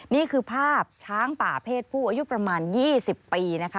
นี่คือภาพช้างป่าเพศผู้อายุประมาณ๒๐ปีนะคะ